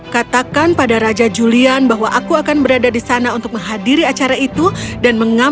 katakan pada raja julian bahwa aku akan berada di sana untuk menghadiri acara itu